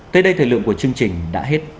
tới đây thời lượng của chương trình đã hết